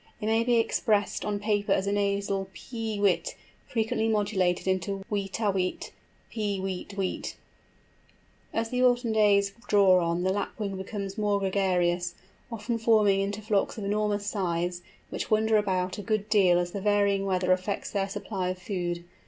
It may be expressed on paper as a nasal pee weet, frequently modulated into weet a weet, pee weet weet. As the autumn days draw on the Lapwing becomes more gregarious, often forming into flocks of enormous size, which wander about a good deal as the varying weather affects their supply of food.